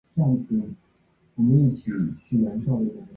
加泽伊河畔勒莫纳斯捷人口变化图示